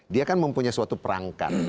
dia kan mempunyai suatu perangkat